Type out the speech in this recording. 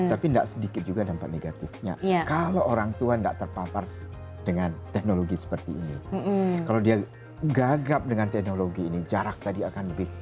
ada juga ya pak